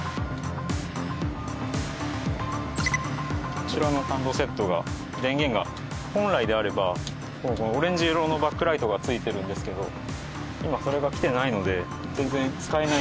こちらのハンドセットが電源が本来であればオレンジ色のバックライトがついてるんですけど今それがきてないので全然使えない状況になっています。